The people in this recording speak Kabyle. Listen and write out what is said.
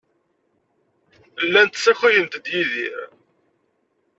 Llant ssakayent-d Yidir.